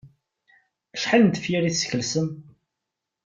Acḥal n tefyar i teskelsem?